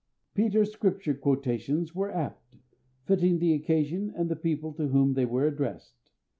Peter's Scripture quotations were apt, fitting the occasion and the people to whom they were addressed.